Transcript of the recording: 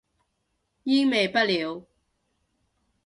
煙味不了